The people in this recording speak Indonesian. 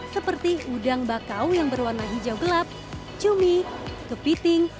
seperti udang bakau yang berwarna hijau gelap cumi kepiting